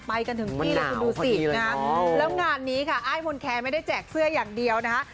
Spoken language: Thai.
กันถึงที่เลยคุณดูสินะแล้วงานนี้ค่ะอ้ายมนแคร์ไม่ได้แจกเสื้ออย่างเดียวนะคะ